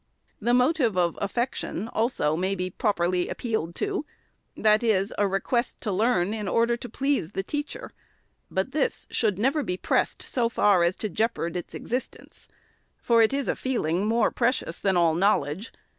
The motive of affection also may properly be appealed to, that is, a request to learn in order to please the teacher ; but this should never be pressed so far as to jeopard its existence, for it is a feeling more precious than all knowledge.